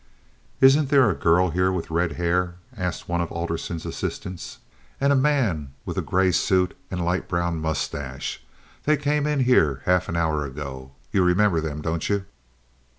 "Isn't there a girl here with red hair?" asked one of Alderson's assistants. "And a man with a gray suit and a light brown mustache? They came in here half an hour ago. You remember them, don't you?"